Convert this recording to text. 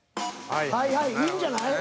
はいはいいいんじゃない？